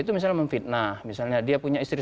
itu misalnya memfitnah misalnya dia punya istri